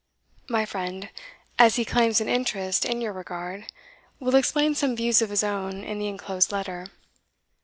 My friend, as he claims an interest in your regard, will explain some views of his own in the enclosed letter.